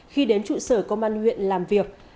khi đến trụ sở công an huyện làm việc